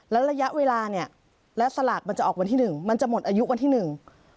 แล้วระยะเวลาเนี่ยและสลากมันจะออกวันที่หนึ่งมันจะหมดอายุวันที่หนึ่ง